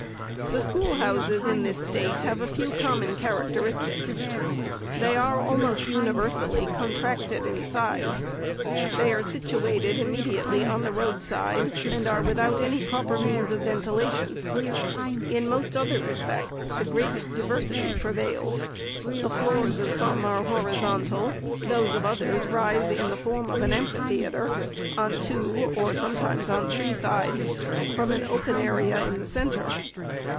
The schoolhouses in the State have a few common characteristics. They are, almost universally, contracted in size ; they are situated immediately on the road side, and are without any proper means of ventilation. In most other respects, the greatest diversity prevails. The floors of some are horizontal ; those of others rise in the form of an amphitheatre, on two, or sometimes on three sides, from an open area in the centre.